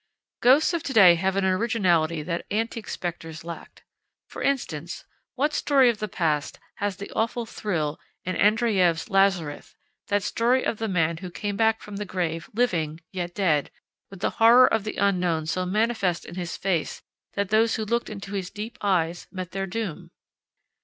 Ghosts of to day have an originality that antique specters lacked. For instance, what story of the past has the awful thrill in Andreyev's Lazarus, that story of the man who came back from the grave, living, yet dead, with the horror of the unknown so manifest in his face that those who looked into his deep eyes met their doom?